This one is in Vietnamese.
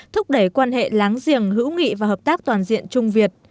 thúc đẩy quan hệ láng giềng hữu nghị và hợp tác toàn diện trung việt